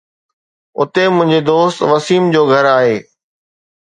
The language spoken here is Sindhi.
اتي منهنجي دوست وسيم جو گهر آهي